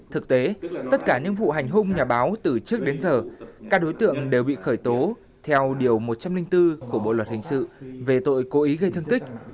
thực tế tất cả những vụ hành hung nhà báo từ trước đến giờ các đối tượng đều bị khởi tố theo điều một trăm linh bốn của bộ luật hình sự về tội cố ý gây thương tích